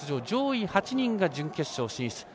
上位８人が準決勝進出。